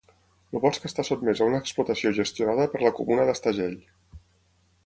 El bosc està sotmès a una explotació gestionada per la comuna d'Estagell.